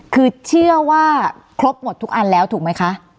คือเชื่อว่าครบหมดทุกอันแล้วถูกไหมคะ